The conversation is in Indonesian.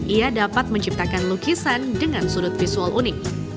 ia dapat menciptakan lukisan dengan sudut visual unik